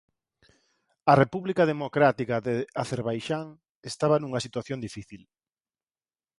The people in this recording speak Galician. A República Democrática de Acerbaixán estaba nunha situación difícil.